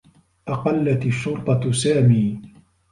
أقلّت الشّرطة سامي.